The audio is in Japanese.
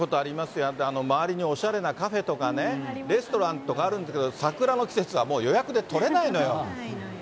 それで周りにおしゃれなカフェとかね、レストランとかあるんですけど、桜の季節はもう、予約で取れないのよ。